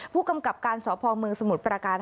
ผู้กำกับการสพเมืองสมุทรประการ